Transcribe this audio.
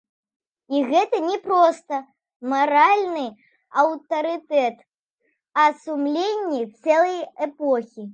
І гэта не проста маральны аўтарытэт, а сумленне цэлай эпохі.